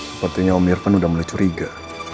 sepertinya om irfan udah mulai curiga